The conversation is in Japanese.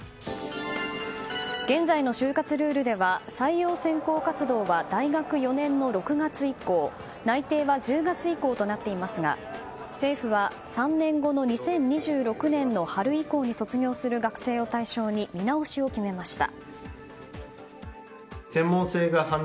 現在の就活ルールでは採用選考活動は大学４年の６月以降内定は１０月以降となっていますが政府は３年後の２０２６年の春以降に卒業する学生を対象に見直しを決めました。